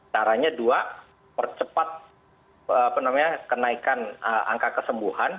caranya dua percepat kenaikan angka kesembuhan